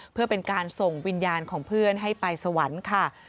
เพื่อเป็นการส่งวิญญาณของเพื่อนให้ไปสวรรค์ค่ะ